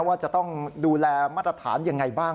ว่าจะต้องดูแลมาตรฐานยังไงบ้าง